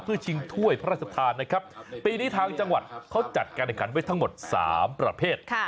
เพื่อชิงถ้วยพระราชทานนะครับปีนี้ทางจังหวัดเขาจัดการแข่งขันไว้ทั้งหมด๓ประเภท